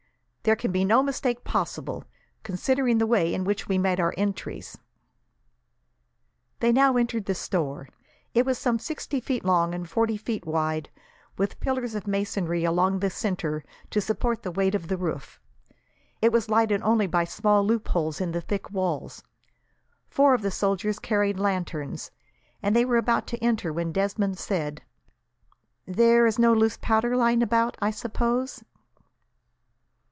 "There can be no mistake possible, considering the way in which we made our entries." They now entered the store. It was some sixty feet long and forty feet wide, with pillars of masonry along the centre to support the weight of the roof. It was lighted only by small loopholes in the thick walls. Four of the soldiers carried lanterns, and they were about to enter, when Desmond said: "There is no loose powder lying about, I suppose?"